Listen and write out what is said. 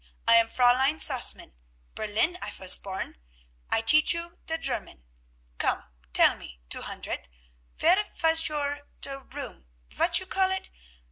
I am Fräulein Sausmann. Berlin I vas born. I teach you der German. Come, tell me, Two Hundert, vere vas your der Raum, vat you call it?